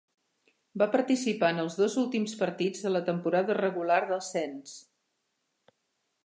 Va participar en els dos últims partits de la temporada regular dels Saints.